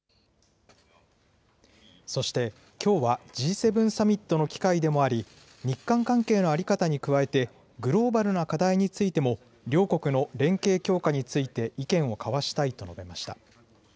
そしてきょうはＧ７サミットの機会でもあり日韓関係の在り方に加えてグローバルな課題についても両国の連携強化について意見を交わしたいと述べました。